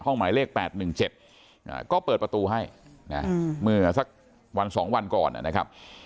หมายเลข๘๑๗ก็เปิดประตูให้นะเมื่อสักวัน๒วันก่อนนะครับ